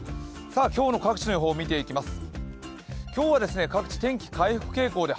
今日の各地の予報見ていきます。